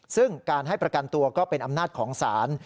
ซึ่งการให้ประกันตัวก็เป็นอำนาจของศาล